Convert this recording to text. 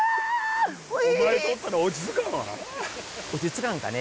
落ち着かんかね？